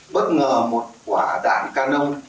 bất ngờ một quả đạn canôn